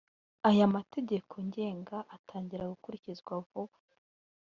aya mategeko ngenga atangira gukurikizwa vuba